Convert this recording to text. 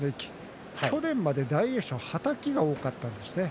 去年まで大栄翔ははたきが多かったんです。